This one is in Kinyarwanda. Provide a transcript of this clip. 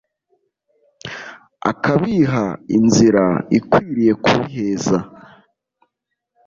akabiha inzira ikwiriye kubiheza